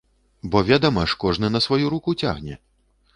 Бо, ведама ж, кожны на сваю руку цягне!